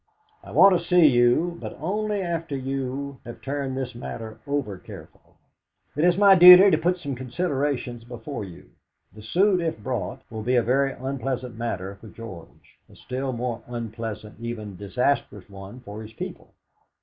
"I want to see you, but only after you have turned this matter over carefully. It is my duty to put some considerations before you. The suit, if brought, will be a very unpleasant matter for George, a still more unpleasant, even disastrous one, for his people.